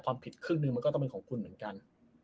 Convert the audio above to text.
ความผิดครึ่งนึงมันก็ต้องเป็นของคุณเหมือนกัน